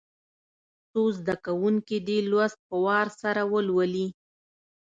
څو زده کوونکي دي لوست په وار سره ولولي.